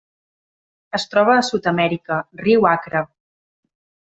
Es troba a Sud-amèrica: riu Acre.